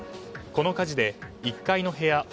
この火事で１階の部屋